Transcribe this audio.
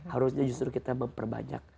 harusnya justru kita memperbanyak